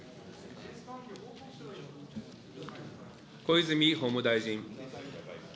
小泉法務大臣。